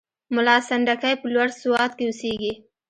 ملا سنډکی په لوړ سوات کې اوسېدی.